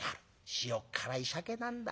塩っ辛いシャケなんだ。